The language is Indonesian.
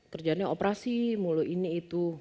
kerjaannya operasi mulu ini itu